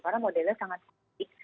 karena modalnya sangat kutip